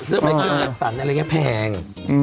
เสื้อไม่เคยอักษรแพง